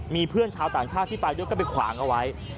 มีเพื่อนชาวต่างชาติที่ไปด้วยก็ไปขวางเอาไว้